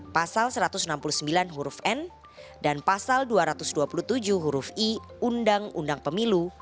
pasal satu ratus enam puluh sembilan huruf n dan pasal dua ratus dua puluh tujuh huruf i undang undang pemilu